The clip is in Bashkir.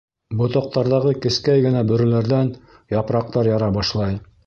Ботаҡтарҙағы кескәй генә бөрөләрҙән япраҡтар яра башлай.